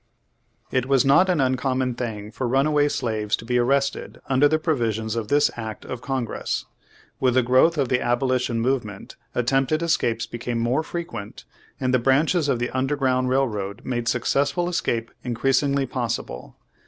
It was not an uncommon thing for runaway slaves to be arrested under the provisions of this act of Congress. With the growth of the Aboli tion Movement attempted escapes became riiore frequent, and the branches of the Underground Railroad made successful escape increasingly possible.